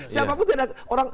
siapapun tidak ada